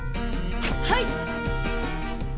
はい！